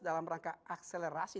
dalam rangka akselerasi